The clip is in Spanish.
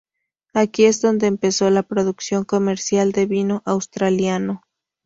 Aquí es donde empezó la producción comercial de vino australiano.